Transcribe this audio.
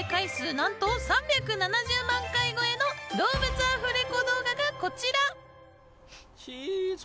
なんと３７０万回超えの動物アフレコ動画がこちら。